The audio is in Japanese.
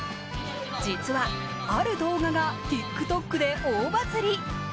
実はある動画がＴｉｋＴｏｋで大バズり。